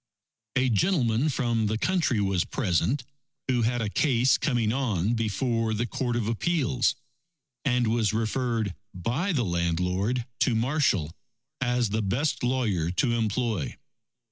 A gentleman from the country was present, who had a case coming on before the Court of Appeals, and was referred by the landlord to Marshall as the best lawyer to employ.